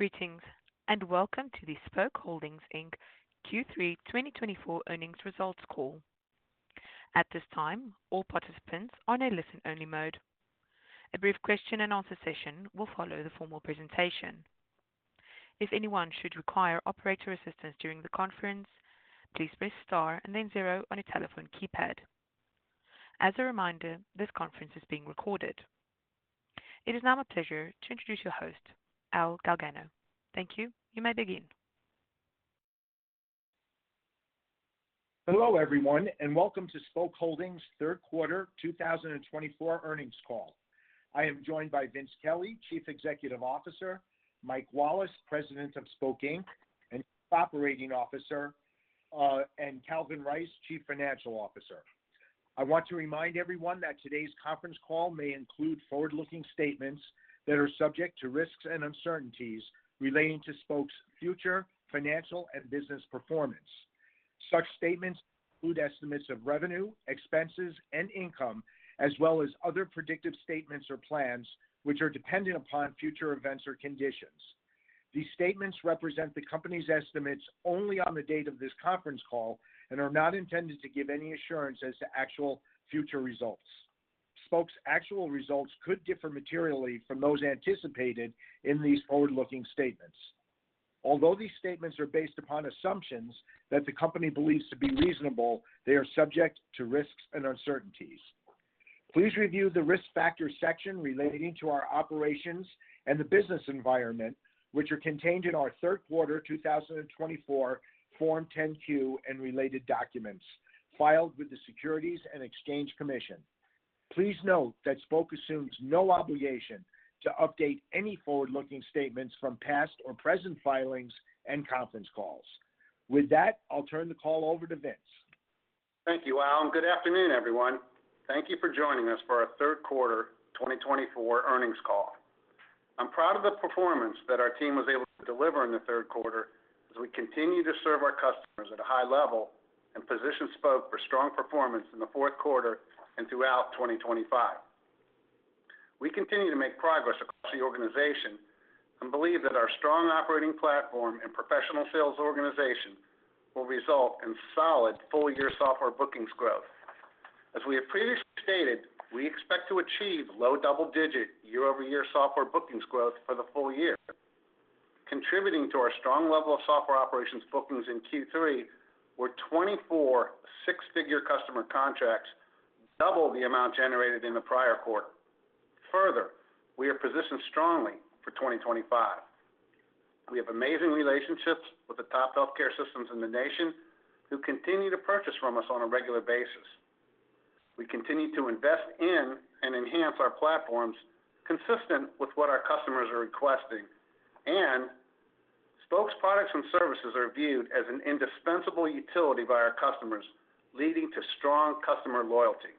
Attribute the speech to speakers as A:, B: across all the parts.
A: Greetings, and welcome to the Spok Holdings, Inc. Q3 2024 Earnings Results Call. At this time, all participants are in a listen-only mode. A brief Q&A session will follow the formal presentation. If anyone should require operator assistance during the conference, please press star and then zero on a telephone keypad. As a reminder, this conference is being recorded. It is now my pleasure to introduce your host, Al Galgano. Thank you. You may begin. Hello, everyone, and welcome to Spok Holdings' Q3 2024 Earnings Call. I am joined by Vince Kelly, Chief Executive Officer, Mike Wallace, President of Spok, Inc. and Chief Operating Officer, and Calvin Rice, Chief Financial Officer. I want to remind everyone that today's conference call may include forward-looking statements that are subject to risks and uncertainties relating to Spok's future financial and business performance. Such statements include estimates of revenue, expenses, and income, as well as other predictive statements or plans which are dependent upon future events or conditions. These statements represent the company's estimates only on the date of this conference call and are not intended to give any assurance as to actual future results. Spok's actual results could differ materially from those anticipated in these forward-looking statements. Although these statements are based upon assumptions that the company believes to be reasonable, they are subject to risks and uncertainties. Please review the risk factor section relating to our operations and the business environment, which are contained in our Q3 2024 Form 10-Q and related documents filed with the Securities and Exchange Commission. Please note that Spok assumes no obligation to update any forward-looking statements from past or present filings and conference calls. With that, I'll turn the call over to Vince.
B: Thank you, Al. And good afternoon, everyone. Thank you for joining us for our Q3 2024 earnings call. I'm proud of the performance that our team was able to deliver in the Q3 as we continue to serve our customers at a high level and position Spok for strong performance in the Q4 and throughout 2025. We continue to make progress across the organization and believe that our strong operating platform and professional sales organization will result in solid full-year software bookings growth. As we have previously stated, we expect to achieve low double-digit year-over-year software bookings growth for the full year, contributing to our strong level of software operations bookings in Q3, where 24 six-figure customer contracts doubled the amount generated in the prior quarter. Further, we are positioned strongly for 2025. We have amazing relationships with the top healthcare systems in the nation, who continue to purchase from us on a regular basis. We continue to invest in and enhance our platforms consistent with what our customers are requesting, and Spok's products and services are viewed as an indispensable utility by our customers, leading to strong customer loyalty.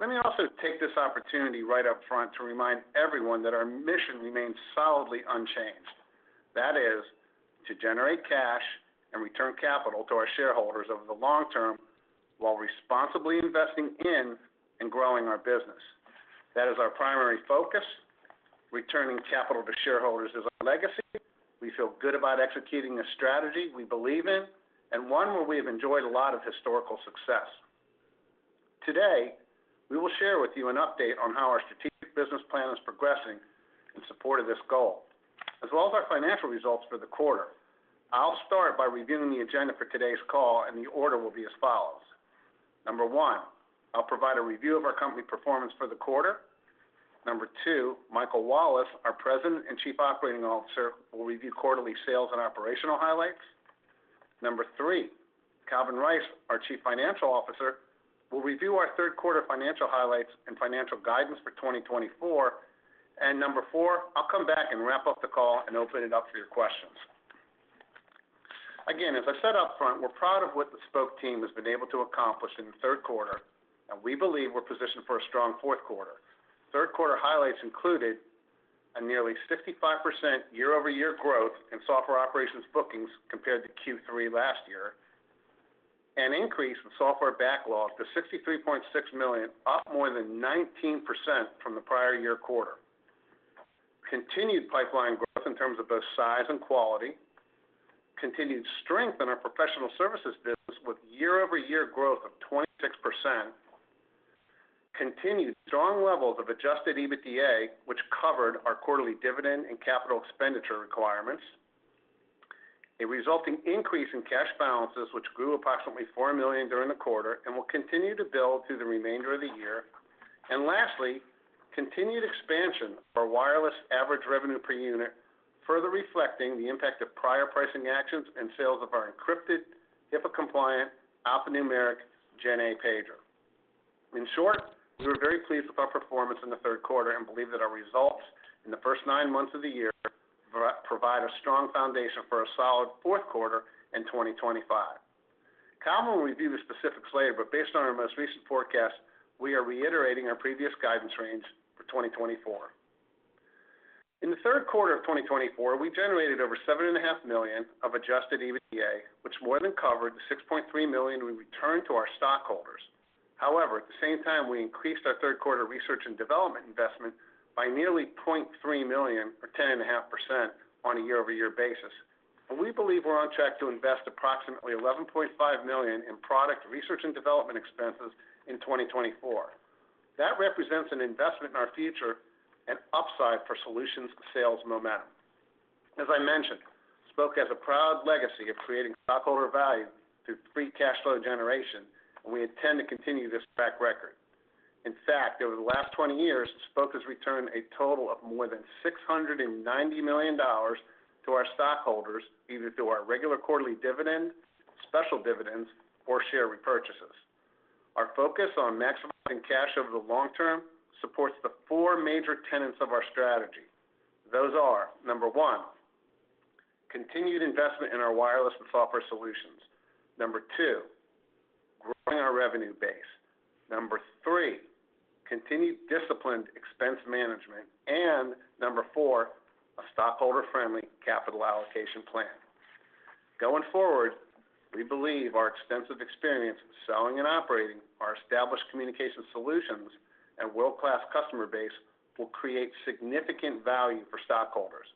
B: Let me also take this opportunity right up front to remind everyone that our mission remains solidly unchanged. That is, to generate cash and return capital to our shareholders over the long term while responsibly investing in and growing our business. That is our primary focus: returning capital to shareholders is our legacy. We feel good about executing a strategy we believe in and one where we have enjoyed a lot of historical success. Today, we will share with you an update on how our strategic business plan is progressing in support of this goal, as well as our financial results for the quarter. I'll start by reviewing the agenda for today's call, and the order will be as follows. Number one, I'll provide a review of our company performance for the quarter. Number two, Michael Wallace, our President and Chief Operating Officer, will review quarterly sales and operational highlights. Number three, Calvin Rice, our Chief Financial Officer, will review our Q3 financial highlights and financial guidance for 2024. And number four, I'll come back and wrap up the call and open it up for your questions. Again, as I said up front, we're proud of what the Spok team has been able to accomplish in the Q3, and we believe we're positioned for a strong Q4. Q3 highlights included a nearly 65% year-over-year growth in software operations bookings compared to Q3 last year, an increase in software backlog to $63.6 million, up more than 19% from the prior year quarter. Continued pipeline growth in terms of both size and quality. Continued strength in our professional services business with year-over-year growth of 26%. Continued strong levels of adjusted EBITDA, which covered our quarterly dividend and capital expenditure requirements. A resulting increase in cash balances, which grew approximately $4 million during the quarter and will continue to build through the remainder of the year. And lastly, continued expansion of our wireless average revenue per unit, further reflecting the impact of prior pricing actions and sales of our encrypted, HIPAA-compliant, alphanumeric GenA pager. In short, we were very pleased with our performance in the Q3 and believe that our results in the first nine months of the year provide a strong foundation for a solid Q4 in 2025. Calvin will review the specifics later, but based on our most recent forecast, we are reiterating our previous guidance range for 2024. In the Q3 of 2024, we generated over $7.5 million of adjusted EBITDA, which more than covered the $6.3 million we returned to our stockholders. However, at the same time, we increased our Q3 research and development investment by nearly $0.3 million, or 10.5%, on a year-over-year basis, and we believe we're on track to invest approximately $11.5 million in product research and development expenses in 2024. That represents an investment in our future and upside for solutions sales momentum. As I mentioned, Spok has a proud legacy of creating stockholder value through free cash flow generation, and we intend to continue this track record. In fact, over the last 20 years, Spok has returned a total of more than $690 million to our stockholders, either through our regular quarterly dividend, special dividends, or share repurchases. Our focus on maximizing cash over the long term supports the four major tenets of our strategy. Those are, number one, continued investment in our wireless and software solutions. Number two, growing our revenue base. Number three, continued disciplined expense management. And number four, a stockholder-friendly capital allocation plan. Going forward, we believe our extensive experience selling and operating our established communication solutions and world-class customer base will create significant value for stockholders.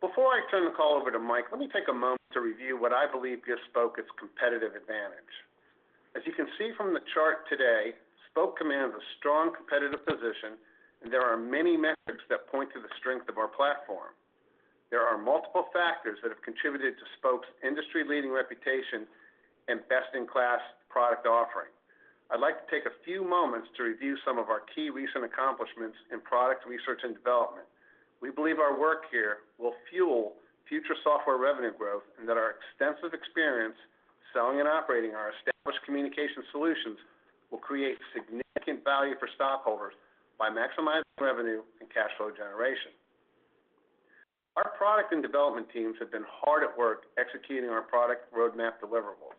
B: Before I turn the call over to Mike, let me take a moment to review what I believe gives Spok its competitive advantage. As you can see from the chart today, Spok commands a strong competitive position, and there are many metrics that point to the strength of our platform. There are multiple factors that have contributed to Spok's industry-leading reputation and best-in-class product offering. I'd like to take a few moments to review some of our key recent accomplishments in product research and development. We believe our work here will fuel future software revenue growth and that our extensive experience selling and operating our established communication solutions will create significant value for stockholders by maximizing revenue and cash flow generation. Our product and development teams have been hard at work executing our product roadmap deliverables.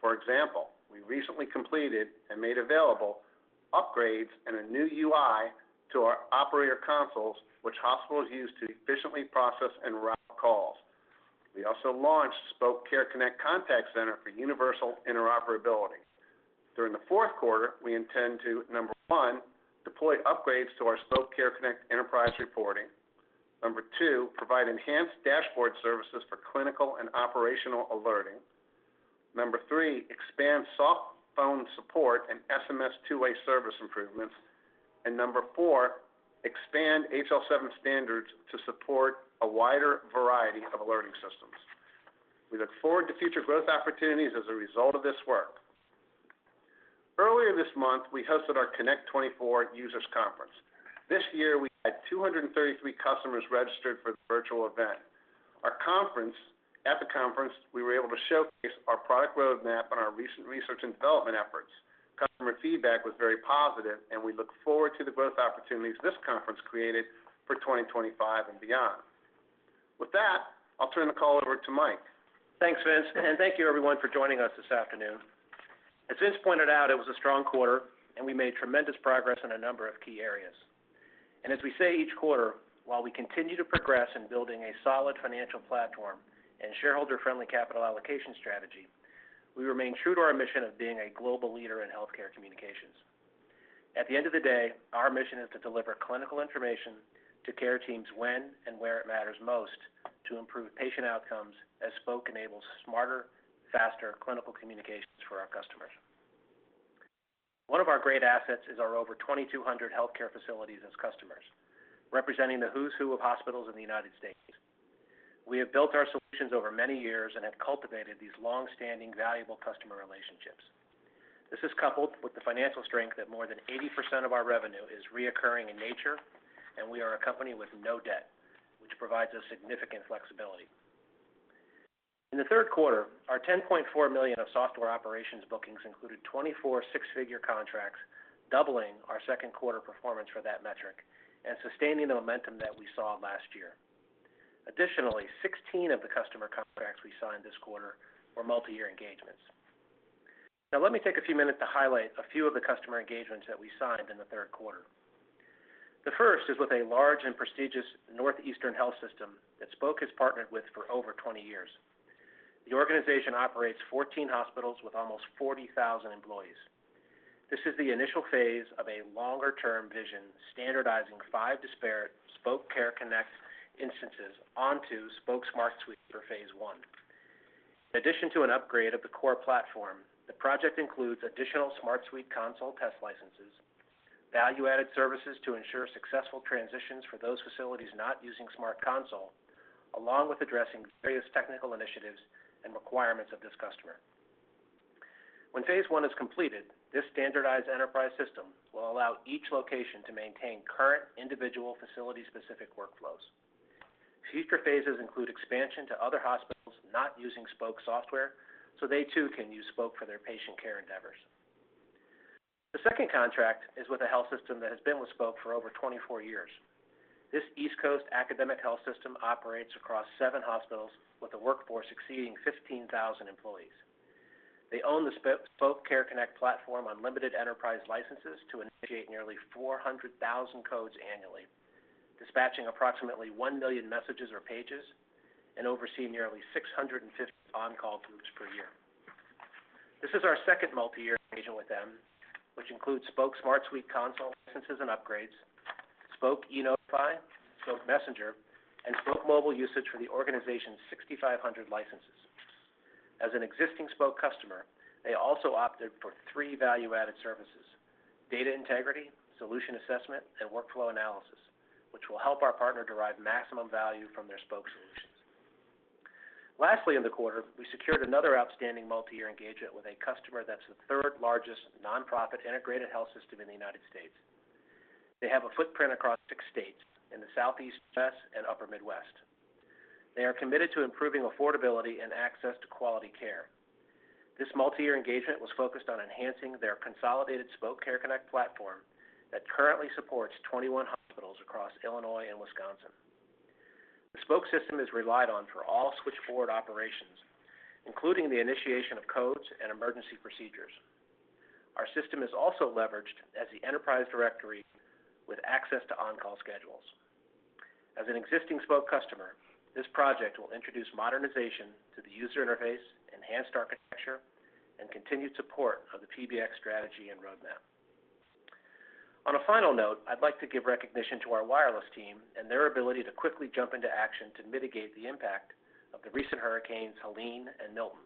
B: For example, we recently completed and made available upgrades and a new UI to our operator consoles, which hospitals use to efficiently process and route calls. We also launched Spok Care Connect Contact Center for universal interoperability. During the Q4, we intend to, number one, deploy upgrades to our Spok Care Connect enterprise reporting. Number two, provide enhanced dashboard services for clinical and operational alerting. Number three, expand soft phone support and SMS two-way service improvements. And number four, expand HL7 standards to support a wider variety of alerting systems. We look forward to future growth opportunities as a result of this work. Earlier this month, we hosted our Connect 24 users conference. This year, we had 233 customers registered for the virtual event. At the conference, we were able to showcase our product roadmap and our recent research and development efforts. Customer feedback was very positive, and we look forward to the growth opportunities this conference created for 2025 and beyond. With that, I'll turn the call over to Mike.
C: Thanks, Vince, and thank you, everyone, for joining us this afternoon. As Vince pointed out, it was a strong quarter, and we made tremendous progress in a number of key areas, and as we say each quarter, while we continue to progress in building a solid financial platform and shareholder-friendly capital allocation strategy, we remain true to our mission of being a global leader in healthcare communications. At the end of the day, our mission is to deliver clinical information to care teams when and where it matters most to improve patient outcomes as Spok enables smarter, faster clinical communications for our customers. One of our great assets is our over 2,200 healthcare facilities as customers, representing the who's who of hospitals in the United States. We have built our solutions over many years and have cultivated these long-standing, valuable customer relationships. This is coupled with the financial strength that more than 80% of our revenue is recurring in nature, and we are a company with no debt, which provides us significant flexibility. In the Q3, our $10.4 million of software operations bookings included 24 six-figure contracts, doubling our Q2 performance for that metric and sustaining the momentum that we saw last year. Additionally, 16 of the customer contracts we signed this quarter were multi-year engagements. Now, let me take a few minutes to highlight a few of the customer engagements that we signed in the Q3. The first is with a large and prestigious Northeastern Health System that Spok has partnered with for over 20 years. The organization operates 14 hospitals with almost 40,000 employees. This is the initial phase of a longer-term vision, standardizing five disparate Spok Care Connect instances onto Spok Smart Suite for phase one. In addition to an upgrade of the core platform, the project includes additional Smart Suite console test licenses, value-added services to ensure successful transitions for those facilities not using Smart Console, along with addressing various technical initiatives and requirements of this customer. When phase one is completed, this standardized enterprise system will allow each location to maintain current individual facility-specific workflows. Future phases include expansion to other hospitals not using Spok software, so they too can use Spok for their patient care endeavors. The second contract is with a health system that has been with Spok for over 24 years. This East Coast academic health system operates across seven hospitals with a workforce exceeding 15,000 employees. They own the Spok Care Connect platform on limited enterprise licenses to initiate nearly 400,000 codes annually, dispatching approximately 1 million messages or pages, and overseeing nearly 650 on-call groups per year. This is our second multi-year engagement with them, which includes Spok Smart Suite console licenses and upgrades, Spoke Notify, Spok Messenger, and Spok Mobile usage for the organization's 6,500 licenses. As an existing Spok customer, they also opted for three value-added services: data integrity, solution assessment, and workflow analysis, which will help our partner derive maximum value from their Spok solutions. Lastly, in the quarter, we secured another outstanding multi-year engagement with a customer that's the third-largest nonprofit integrated health system in the United States. They have a footprint across six states in the Southeast U.S. and Upper Midwest. They are committed to improving affordability and access to quality care. This multi-year engagement was focused on enhancing their consolidated Spok Care Connect platform that currently supports 21 hospitals across Illinois and Wisconsin. The Spok system is relied on for all switchboard operations, including the initiation of codes and emergency procedures. Our system is also leveraged as the enterprise directory with access to on-call schedules. As an existing Spok customer, this project will introduce modernization to the user interface, enhanced architecture, and continued support of the PBX strategy and roadmap. On a final note, I'd like to give recognition to our wireless team and their ability to quickly jump into action to mitigate the impact of the recent hurricanes Helene and Milton.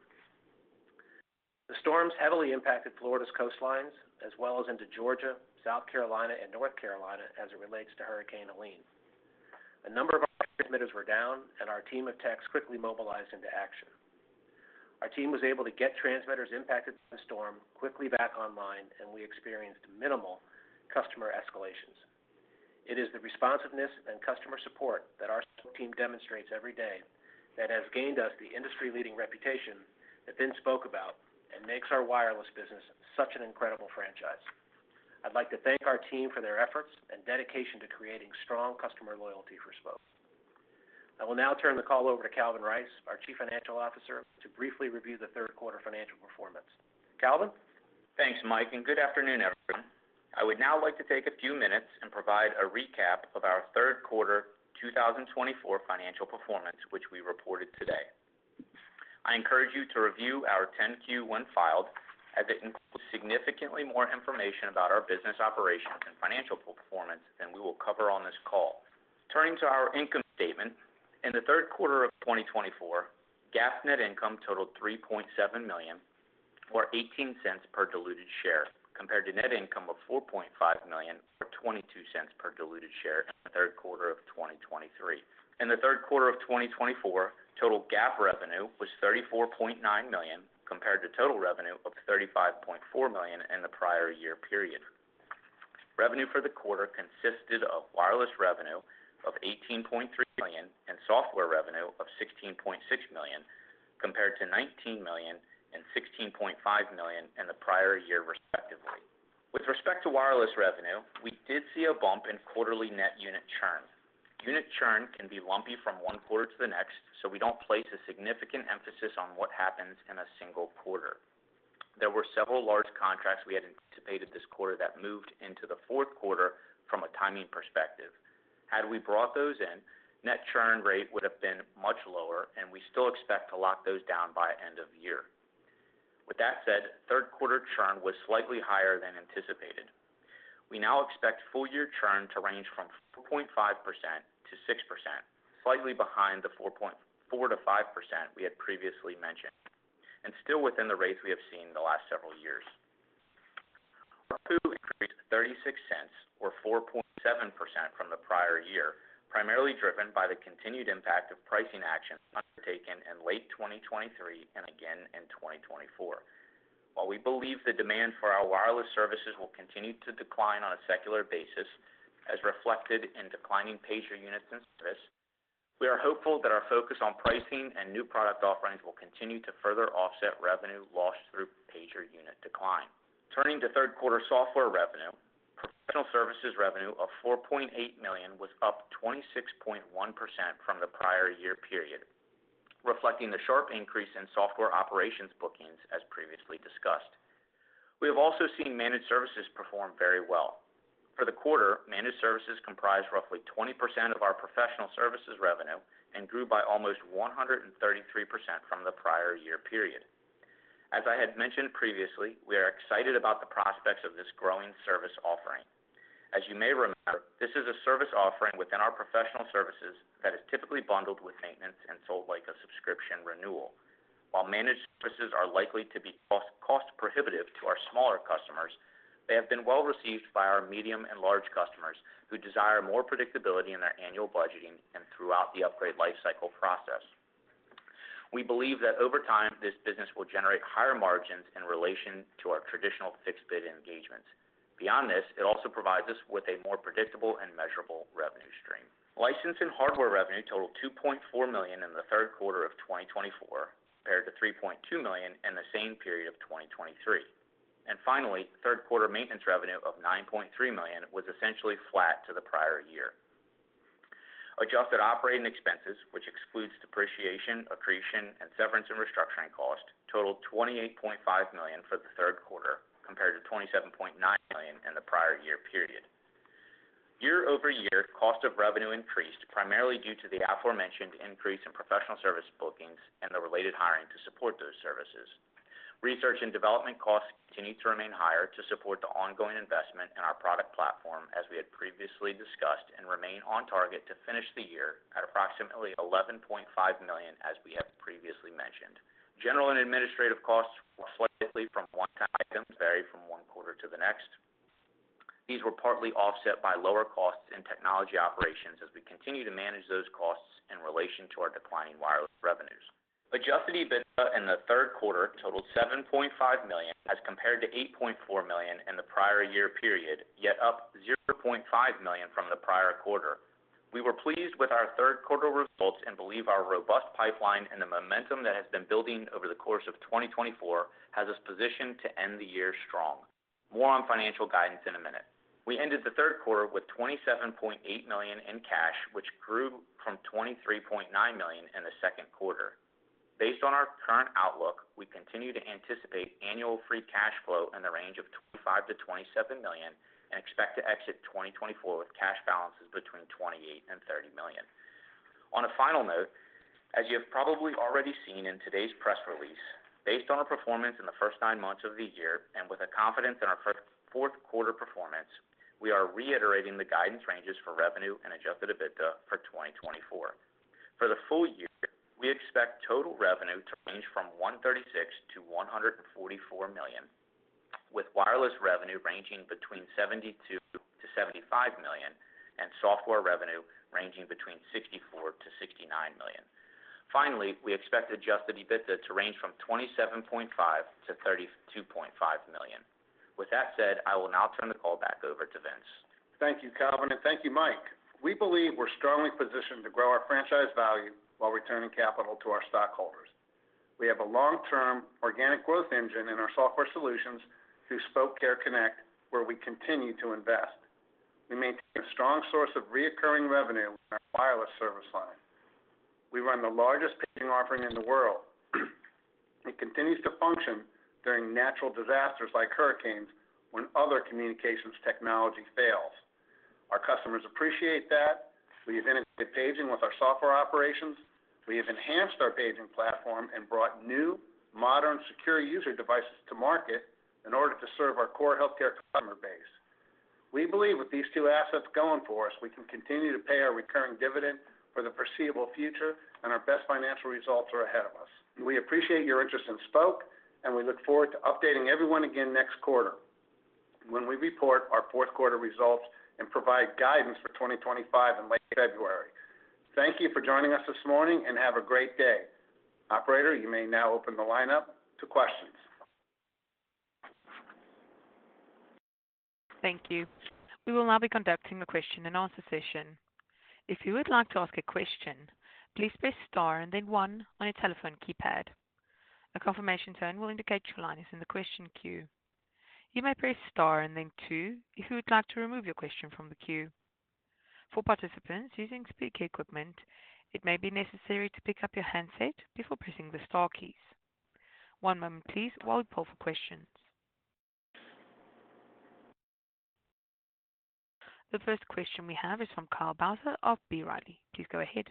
C: The storms heavily impacted Florida's coastlines, as well as into Georgia, South Carolina, and North Carolina as it relates to Hurricane Helene. A number of our transmitters were down, and our team of techs quickly mobilized into action. Our team was able to get transmitters impacted by the storm quickly back online, and we experienced minimal customer escalations. It is the responsiveness and customer support that our Spok team demonstrates every day that has gained us the industry-leading reputation that Vince spoke about and makes our wireless business such an incredible franchise. I'd like to thank our team for their efforts and dedication to creating strong customer loyalty for Spok. I will now turn the call over to Calvin Rice, our Chief Financial Officer, to briefly review the Q3 financial performance. Calvin?
D: Thanks, Mike, and good afternoon, everyone. I would now like to take a few minutes and provide a recap of our Q3 2024 financial performance, which we reported today. I encourage you to review our 10-Q filed, as it includes significantly more information about our business operations and financial performance than we will cover on this call. Turning to our income statement, in the Q3 of 2024, GAAP net income totaled $3.7 million, or $0.18 per diluted share, compared to net income of $4.5 million, or $0.22 per diluted share in the Q3 of 2023. In the Q3 of 2024, total GAAP revenue was $34.9 million, compared to total revenue of $35.4 million in the prior year period. Revenue for the quarter consisted of wireless revenue of $18.3 million and software revenue of $16.6 million, compared to $19 million and $16.5 million in the prior year, respectively. With respect to wireless revenue, we did see a bump in quarterly net unit churn. Unit churn can be lumpy from one quarter to the next, so we don't place a significant emphasis on what happens in a single quarter. There were several large contracts we had anticipated this quarter that moved into the Q4 from a timing perspective. Had we brought those in, net churn rate would have been much lower, and we still expect to lock those down by end of year. With that said, Q3 churn was slightly higher than anticipated. We now expect full-year churn to range from 4.5%-6%, slightly behind the 4.4%-5% we had previously mentioned, and still within the rates we have seen the last several years. EPS increased $0.36, or 4.7%, from the prior year, primarily driven by the continued impact of pricing actions undertaken in late 2023 and again in 2024. While we believe the demand for our wireless services will continue to decline on a secular basis, as reflected in declining pager units in service, we are hopeful that our focus on pricing and new product offerings will continue to further offset revenue lost through pager unit decline. Turning to Q3 software revenue, professional services revenue of $4.8 million was up 26.1% from the prior year period, reflecting the sharp increase in software operations bookings, as previously discussed. We have also seen managed services perform very well. For the quarter, managed services comprised roughly 20% of our professional services revenue and grew by almost 133% from the prior year period. As I had mentioned previously, we are excited about the prospects of this growing service offering. As you may remember, this is a service offering within our professional services that is typically bundled with maintenance and sold like a subscription renewal. While managed services are likely to be cost-prohibitive to our smaller customers, they have been well received by our medium and large customers who desire more predictability in their annual budgeting and throughout the upgrade lifecycle process. We believe that over time, this business will generate higher margins in relation to our traditional fixed-bid engagements. Beyond this, it also provides us with a more predictable and measurable revenue stream. Licensing hardware revenue totaled $2.4 million in the Q3 of 2024, compared to $3.2 million in the same period of 2023. And finally, Q3 maintenance revenue of $9.3 million was essentially flat to the prior year. Adjusted operating expenses, which excludes depreciation, accretion, and severance and restructuring cost, totaled $28.5 million for the Q3, compared to $27.9 million in the prior year period. Year over year, cost of revenue increased primarily due to the aforementioned increase in professional service bookings and the related hiring to support those services. Research and development costs continue to remain higher to support the ongoing investment in our product platform, as we had previously discussed, and remain on target to finish the year at approximately $11.5 million, as we have previously mentioned. General and administrative costs fluctuate slightly from one-time item and vary from one quarter to the next. These were partly offset by lower costs in technology operations as we continue to manage those costs in relation to our declining wireless revenues. Adjusted EBITDA in the Q3 totaled $7.5 million, as compared to $8.4 million in the prior year period, yet up $0.5 million from the prior quarter. We were pleased with our Q3 results and believe our robust pipeline and the momentum that has been building over the course of 2024 has us positioned to end the year strong. More on financial guidance in a minute. We ended the Q3 with $27.8 million in cash, which grew from $23.9 million in the Q2. Based on our current outlook, we continue to anticipate annual free cash flow in the range of $25-$27 million and expect to exit 2024 with cash balances between $28 million and $30 million. On a final note, as you have probably already seen in today's press release, based on our performance in the first nine months of the year and with confidence in our Q4 performance, we are reiterating the guidance ranges for revenue and Adjusted EBITDA for 2024. For the full year, we expect total revenue to range from $136 million-$144 million, with wireless revenue ranging between $72 million-$75 million and software revenue ranging between $64 million-$69 million. Finally, we expect Adjusted EBITDA to range from $27.5 million-$32.5 million. With that said, I will now turn the call back over to Vince. Thank you, Calvin, and thank you, Mike. We believe we're strongly positioned to grow our franchise value while returning capital to our stockholders. We have a long-term organic growth engine in our software solutions through Spok Care Connect, where we continue to invest. We maintain a strong source of recurring revenue in our wireless service line. We run the largest paging offering in the world. It continues to function during natural disasters like hurricanes when other communications technology fails. Our customers appreciate that. We have integrated paging with our software operations. We have enhanced our paging platform and brought new, modern, secure user devices to market in order to serve our core healthcare customer base. We believe with these two assets going for us, we can continue to pay our recurring dividend for the foreseeable future, and our best financial results are ahead of us. We appreciate your interest in Spok, and we look forward to updating everyone again next quarter when we report our Q4 results and provide guidance for 2025 in late February. Thank you for joining us this morning, and have a great day. Operator, you may now open the lineup to questions.
A: Thank you. We will now be conducting a Q&A session. If you would like to ask a question, please press Star and then one on your telephone keypad. A confirmation tone will indicate your line is in the question queue. You may press Star and then two if you would like to remove your question from the queue. For participants using speaker equipment, it may be necessary to pick up your handset before pressing the Star keys. One moment, please, while we poll for questions. The first question we have is from Kyle Bauser of B. Riley. Please go ahead.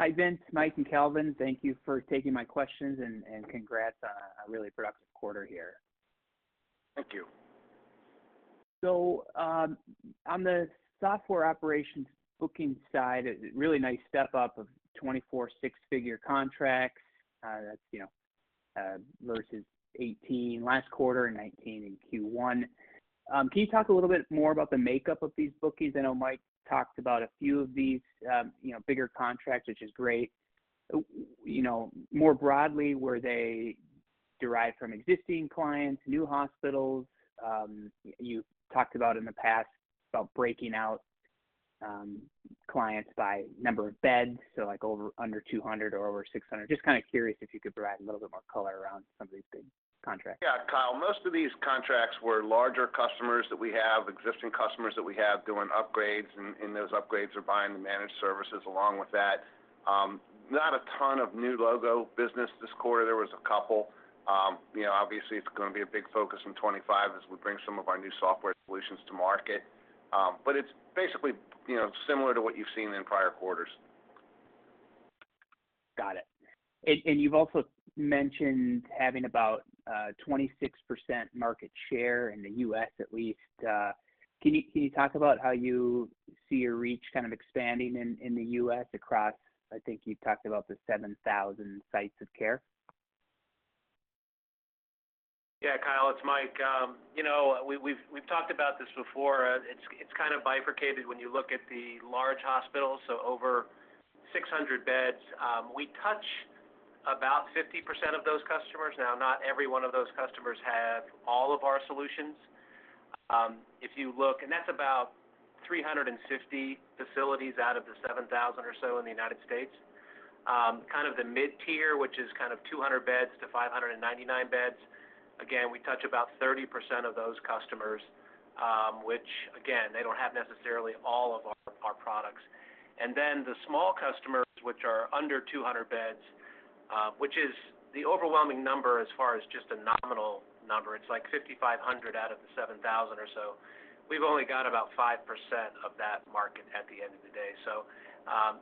E: Hi, Vince, Mike and Calvin. Thank you for taking my questions and congrats on a really productive quarter here.
C: Thank you.
E: On the Software Operations Bookings side, a really nice step up of 24 six-figure contracts versus 18 last quarter and 19 in Q1. Can you talk a little bit more about the makeup of these bookings? I know Mike talked about a few of these bigger contracts, which is great. More broadly, were they derived from existing clients, new hospitals? You talked about in the past breaking out clients by number of beds, so under 200 or over 600. Just kind of curious if you could provide a little bit more color around some of these big contracts.
B: Cal, most of these contracts were larger customers that we have, existing customers that we have doing upgrades, and those upgrades are buying the managed services along with that. Not a ton of new logo business this quarter. There was a couple. Obviously, it's going to be a big focus in 2025 as we bring some of our new software solutions to market. But it's basically similar to what you've seen in prior quarters.
E: Got it. And you've also mentioned having about 26% market share in the U.S., at least. Can you talk about how you see your reach kind of expanding in the U.S. across, you talked about the 7,000 sites of care?
C: Cal, it's Mike. We've talked about this before. It's kind of bifurcated when you look at the large hospitals, so over 600 beds. We touch about 50% of those customers. Now, not every one of those customers has all of our solutions. If you look, and that's about 350 facilities out of the 7,000 or so in the United States. Kind of the mid-tier, which is kind of 200 beds to 599 beds, again, we touch about 30% of those customers, which, again, they don't have necessarily all of our products. And then the small customers, which are under 200 beds, which is the overwhelming number as far as just a nominal number. It's like 5,500 out of the 7,000 or so. We've only got about 5% of that market at the end of the day.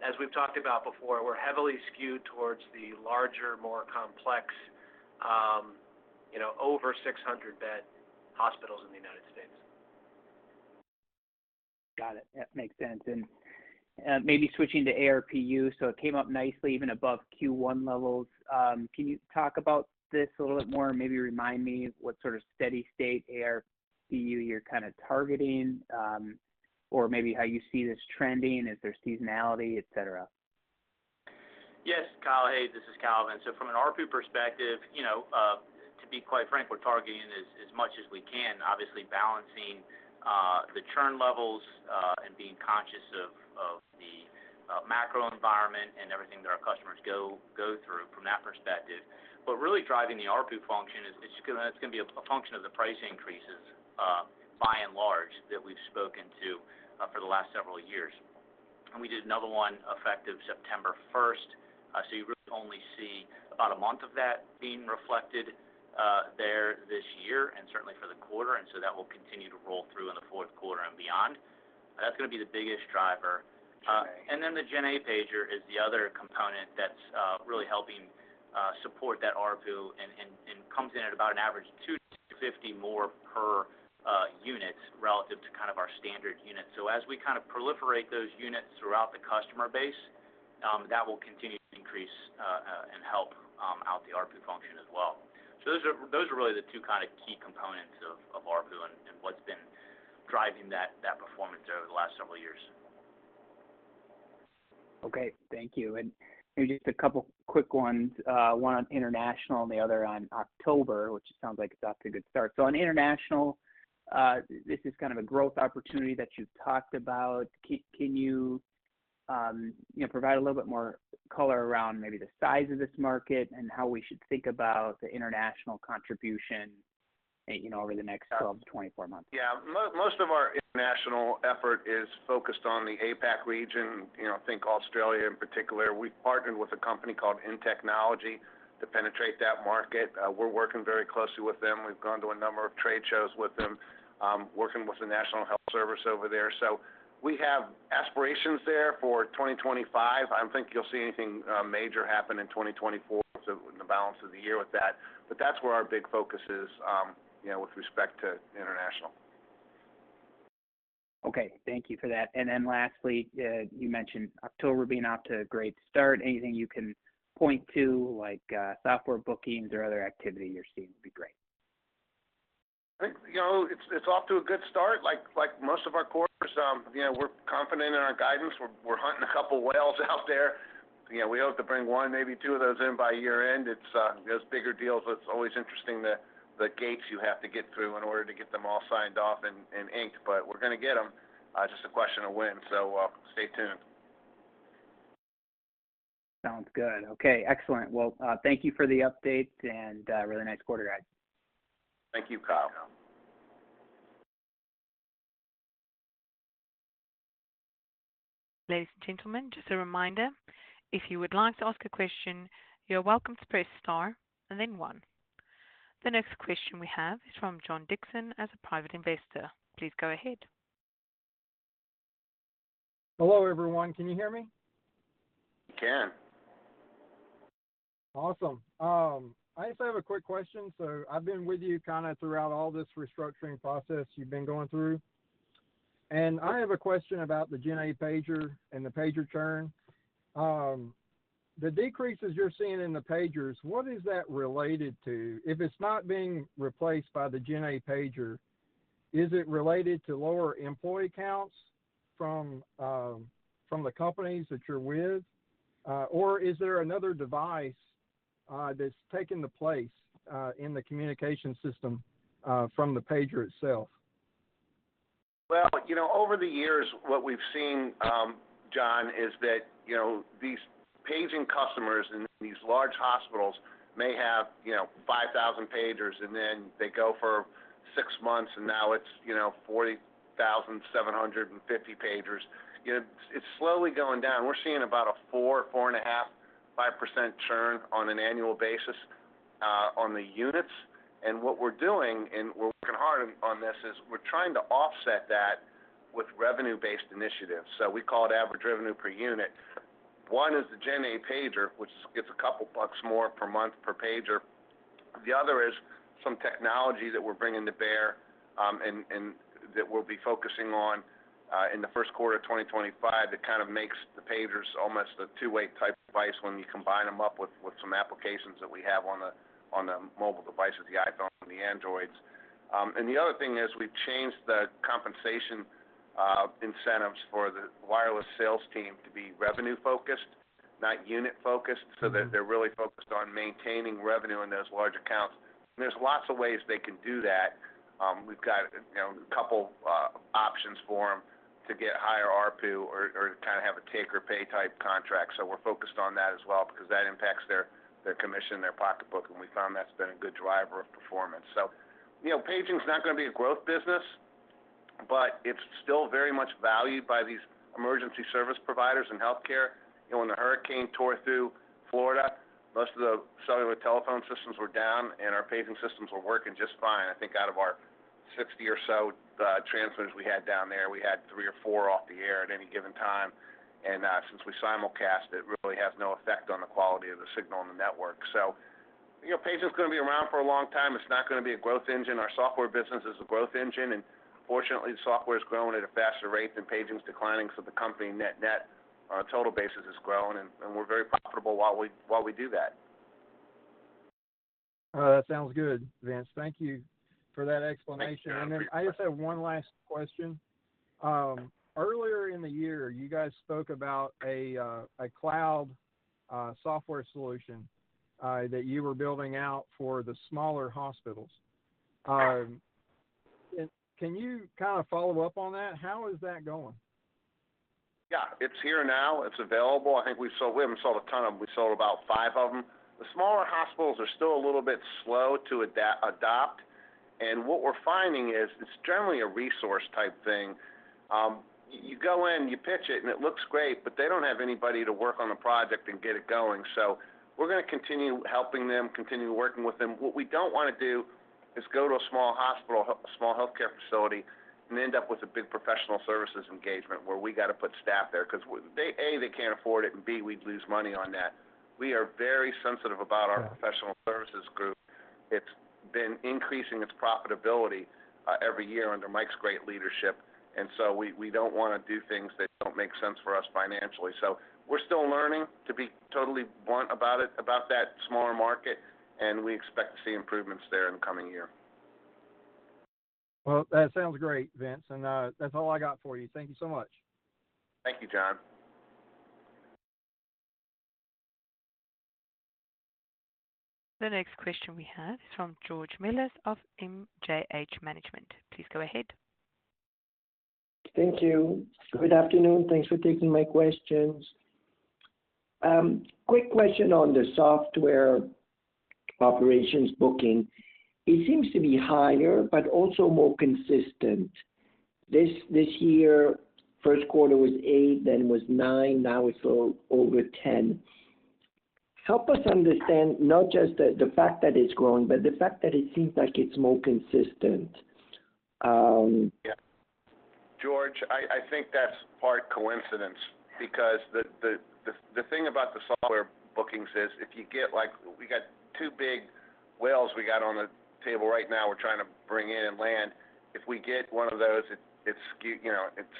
C: As we've talked about before, we're heavily skewed towards the larger, more complex, over 600-bed hospitals in the United States.
E: Got it. That makes sense and maybe switching to ARPU, so it came up nicely even above Q1 levels. Can you talk about this a little bit more and maybe remind me what sort of steady-state ARPU you're kind of targeting, or maybe how you see this trending? Is there seasonality, etc.?
D: Yes, Cal. Hey, this is Calvin, so from an ARPU perspective, to be quite frank, we're targeting as much as we can, obviously balancing the churn levels and being conscious of the macro environment and everything that our customers go through from that perspective, but really driving the ARPU function. It's going to be a function of the price increases by and large that we've spoken to for the last several years, and we did another one effective September 1st, so you really only see about a month of that being reflected there this year and certainly for the quarter, and so that will continue to roll through in the Q4 and beyond. That's going to be the biggest driver. And then the GenA pager is the other component that's really helping support that RPU and comes in at about an average $250 more per unit relative to kind of our standard unit. So, as we kind of proliferate those units throughout the customer base, that will continue to increase and help out the RPU function as well. So, those are really the two kind of key components of RPU and what's been driving that performance over the last several years.
E: Thank you. And just a couple of quick ones. One on international and the other on October, which sounds like it's off to a good start. So, on international, this is kind of a growth opportunity that you've talked about. Can you provide a little bit more color around maybe the size of this market and how we should think about the international contribution over the next 12-24 months?
B: Most of our international effort is focused on the APAC region. Think Australia in particular. We've partnered with a company called InTechnology to penetrate that market. We're working very closely with them. We've gone to a number of trade shows with them, working with the National Health Service over there. So, we have aspirations there for 2025. I don't think you'll see anything major happen in 2024 in the balance of the year with that. But that's where our big focus is with respect to international.
E: Okay. Thank you for that. And then lastly, you mentioned October being off to a great start. Anything you can point to, like software bookings or other activity you're seeing would be great.
B: It's off to a good start. Like most of our quarters, we're confident in our guidance. We're hunting a couple of whales out there. We hope to bring one, maybe two of those in by year-end. It's bigger deals. It's always interesting the gates you have to get through in order to get them all signed off and inked, but we're going to get them. It's just a question of when. So, stay tuned.
E: Sounds good. Okay. Excellent. Well, thank you for the update and really nice quarter guide.
C: Thank you, Cal.
A: Ladies and gentlemen, just a reminder, if you would like to ask a question, you're welcome to press Star and then 1. The next question we have is from John Dixon as a private investor. Please go ahead.
F: Hello, everyone. Can you hear me?
C: I can.
F: Awesome. I just have a quick question. So, I've been with you kind of throughout all this restructuring process you've been going through. And I have a question about the GenA pager and the pager churn. The decreases you're seeing in the pagers, what is that related to? If it's not being replaced by the GenA pager, is it related to lower employee counts from the companies that you're with, or is there another device that's taking the place in the communication system from the pager itself?
B: Over the years, what we've seen, John, is that these paging customers in these large hospitals may have 5,000 pagers, and then they go for six months, and now it's 40,750 pagers. It's slowly going down. We're seeing about a 4%, 4.5%, 5% churn on an annual basis on the units. And what we're doing, and we're working hard on this, is we're trying to offset that with revenue-based initiatives. So, we call it average revenue per unit. One is the GenA pager, which gets a couple of bucks more per month per pager. The other is some technology that we're bringing to bear and that we'll be focusing on in the Q1 of 2025 that kind of makes the pagers almost a two-way type device when you combine them up with some applications that we have on the mobile devices, the iPhone and the Androids. And the other thing is we've changed the compensation incentives for the wireless sales team to be revenue-focused, not unit-focused, so that they're really focused on maintaining revenue in those large accounts. And there's lots of ways they can do that. We've got a couple of options for them to get higher RPU or kind of have a take-or-pay type contract. So, we're focused on that as well because that impacts their commission, their pocketbook, and we found that's been a good driver of performance. So, paging is not going to be a growth business, but it's still very much valued by these emergency service providers in healthcare. When the hurricane tore through Florida, most of the cellular telephone systems were down, and our paging systems were working just fine. Out of our 60 or so transmitters we had down there, we had three or four off the air at any given time, and since we simulcast, it really has no effect on the quality of the signal on the network, so paging is going to be around for a long time. It's not going to be a growth engine. Our software business is a growth engine, and fortunately, the software is growing at a faster rate than paging is declining, so the company net-net on a total basis is growing, and we're very profitable while we do that.
F: That sounds good, Vince. Thank you for that explanation. And then I just have one last question. Earlier in the year, you guys spoke about a cloud software solution that you were building out for the smaller hospitals. Can you kind of follow up on that? How is that going?
B: It's here now. It's available. We sold a ton of them. We sold about five of them. The smaller hospitals are still a little bit slow to adopt. And what we're finding is it's generally a resource-type thing. You go in, you pitch it, and it looks great, but they don't have anybody to work on the project and get it going. So, we're going to continue helping them, continue working with them. What we don't want to do is go to a small hospital, a small healthcare facility, and end up with a big professional services engagement where we got to put staff there because, A, they can't afford it, and B, we'd lose money on that. We are very sensitive about our professional services group. It's been increasing its profitability every year under Mike's great leadership. And so, we don't want to do things that don't make sense for us financially. So, we're still learning to be totally blunt about that smaller market, and we expect to see improvements there in the coming year.
F: That sounds great, Vince. That's all I got for you. Thank you so much.
G: Thank you, John.
A: The next question we have is from George Miller of MKH Management. Please go ahead.
H: Thank you. Good afternoon. Thanks for taking my questions. Quick question on the software operations bookings. It seems to be higher, but also more consistent. This year, Q1 was eight, then was nine. Now it's over 10. Help us understand not just the fact that it's growing, but the fact that it seems like it's more consistent.
B: George, that's part coincidence because the thing about the software bookings is if you get like we got two big whales we got on the table right now. We're trying to bring in and land. If we get one of those, it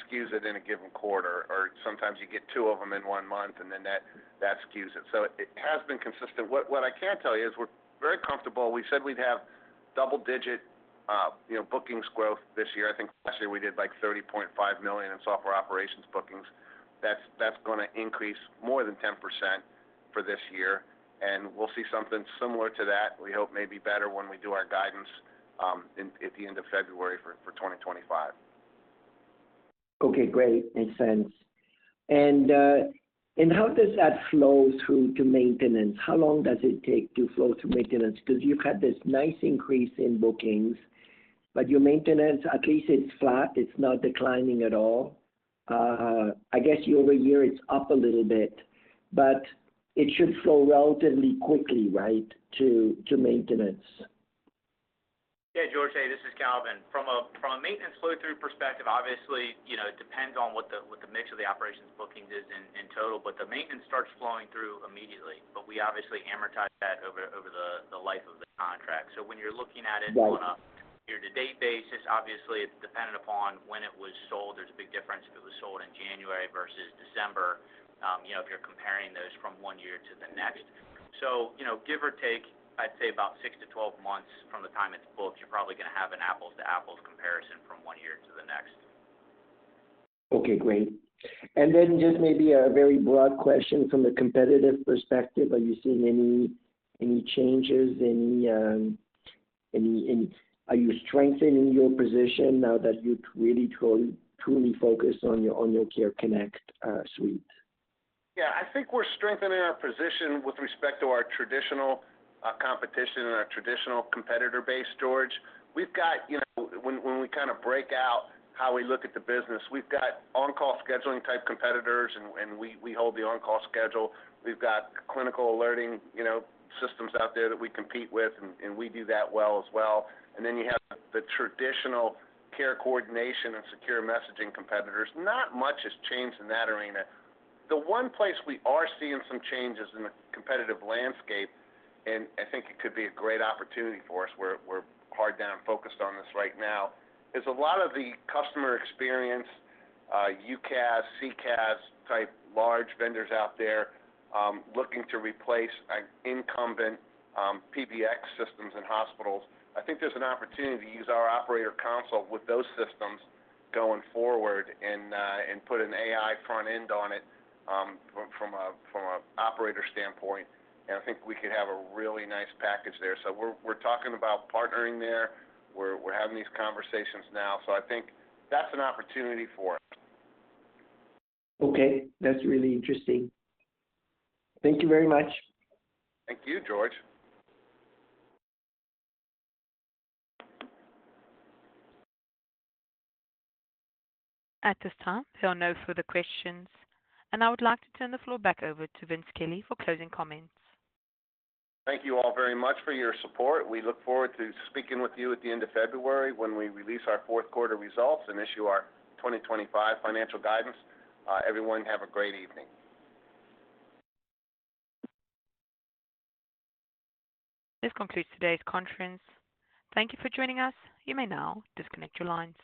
B: skews it in a given quarter. Or sometimes you get two of them in one month, and then that skews it. So, it has been consistent. What I can tell you is we're very comfortable. We said we'd have double-digit bookings growth this year. Last year we did like $30.5 million in software operations bookings. That's going to increase more than 10% for this year, and we'll see something similar to that. We hope maybe better when we do our guidance at the end of February for 2025.
H: Okay. Great. Makes sense. And how does that flow through to maintenance? How long does it take to flow to maintenance? Because you've had this nice increase in bookings, but your maintenance, at least it's flat. It's not declining at all. Over a year it's up a little bit, but it should flow relatively quickly, right, to maintenance.
D: George. Hey. This is Calvin. From a maintenance flow-through perspective, obviously, it depends on what the mix of the operations bookings is in total, but the maintenance starts flowing through immediately. But we obviously amortize that over the life of the contract. So, when you're looking at it on a year-to-date basis, obviously, it's dependent upon when it was sold. There's a big difference if it was sold in January versus December if you're comparing those from one year to the next. So, give or take, I'd say about 6 to 12 months from the time it's booked, you're probably going to have an apples-to-apples comparison from one year to the next.
H: Okay. Great. And then just maybe a very broad question from a competitive perspective. Are you seeing any changes? Are you strengthening your position now that you've really truly focused on your Care Connect suite?
B: We're strengthening our position with respect to our traditional competition and our traditional competitor base, George. When we kind of break out how we look at the business, we've got on-call scheduling-type competitors, and we hold the on-call schedule. We've got clinical alerting systems out there that we compete with, and we do that well as well. And then you have the traditional care coordination and secure messaging competitors. Not much has changed in that arena. The one place we are seeing some changes in the competitive landscape, and It could be a great opportunity for us. We're hard down and focused on this right now, is a lot of the customer experience, UCaaS, CCaaS-type large vendors out there looking to replace incumbent PBX systems in hospitals. There's an opportunity to use our operator console with those systems going forward and put an AI front end on it from an operator standpoint. And we could have a really nice package there. So, we're talking about partnering there. We're having these conversations now. So, that's an opportunity for us.
H: Okay. That's really interesting. Thank you very much.
G: Thank you, George.
A: At this time, there are no further questions. And I would like to turn the floor back over to Vince Kelly for closing comments.
B: Thank you all very much for your support. We look forward to speaking with you at the end of February when we release our Q4 results and issue our 2025 financial guidance. Everyone, have a great evening.
A: This concludes today's conference. Thank you for joining us. You may now disconnect your lines.